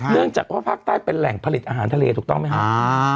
เนื่องจากว่าภาคใต้เป็นแหล่งผลิตอาหารทะเลถูกต้องไหมครับ